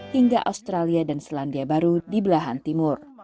hingga australia dan selandia baru di belahan timur